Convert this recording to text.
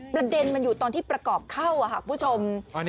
ประเด็นมันอยู่ตอนที่ประกอบเข้าค่ะคุณผู้ชม